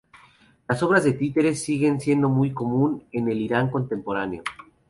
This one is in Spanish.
Las obras de títeres siguen siendo muy común en el Irán contemporáneo.